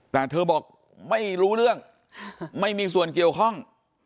แต่เธอบอกไม่รู้เรื่องไม่มีส่วนเกี่ยวข้อง